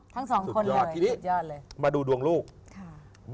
ทั้งสองคนเลยสุดยอดเลยที่นี้มาดูดวงลูกค่ะ